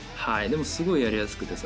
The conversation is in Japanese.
でもすごいやりやすくて。